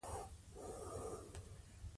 هیڅکله تسلیم نه شو.